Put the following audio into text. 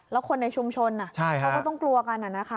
แล้วคนในชุมชนเขาก็ต้องกลัวกัน